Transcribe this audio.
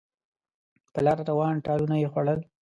په لاره روان ټالونه یې خوړل